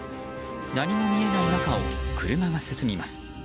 何も見えない中を、車が進みます。